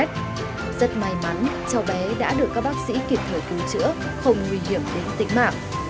rất may mắn cháu bé đã được các bác sĩ kiểm thử cứu chữa không nguy hiểm đến tình mạng